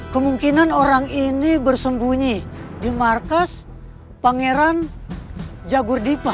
kemungkinan orang ini bersembunyi di markas pangeran jagur dipa